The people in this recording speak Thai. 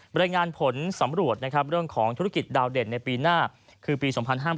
บริงานผลสำรวจเรื่องของธุรกิจดาวเด่นในปีหน้าคือปี๒๕๖๑